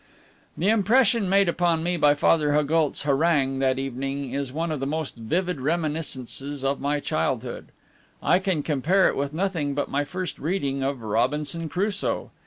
The impression made upon me by Father Haugoult's harangue that evening is one of the most vivid reminiscences of my childhood; I can compare it with nothing but my first reading of Robinson Crusoe.